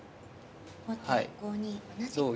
後手５二同じく玉。